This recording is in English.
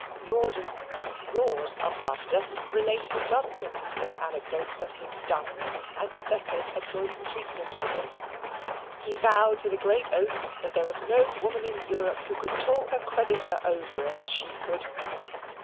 Rawdon, with roars of laughter, related a dozen amusing anecdotes of his duns, and Rebecca's adroit treatment of them. He vowed with a great oath that there was no woman in Europe who could talk a creditor over as she could.